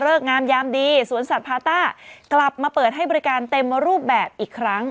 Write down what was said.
งามยามดีสวนสัตว์พาต้ากลับมาเปิดให้บริการเต็มรูปแบบอีกครั้ง